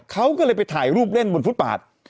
เขาก็เลยไปถ่ายรูปเล่นบนฟุตบาท